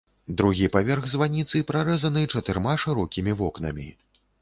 Другі паверх званіцы прарэзаны чатырма шырокімі вокнамі.